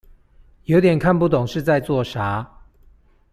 有點看不懂是在做啥